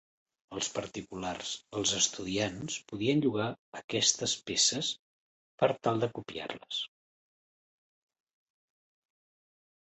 Els particulars, els estudiants, podien llogar aquestes peces, per tal de copiar-les.